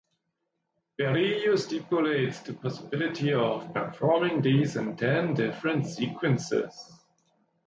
Berio stipulates the possibility of performing these in ten different sequences.